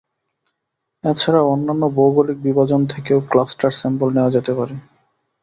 এছাড়াও অন্যান্য ভৌগলিক বিভাজন থেকেও ক্লাস্টার স্যাম্পল নেয়া যেতে পারে।